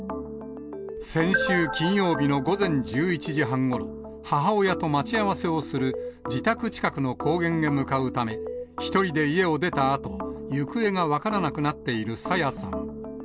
先週金曜日の午前１１時半ごろ、母親と待ち合わせをする自宅近くの公園へ向かうため、１人で家を出たあと、行方が分からなくなっている朝芽さん。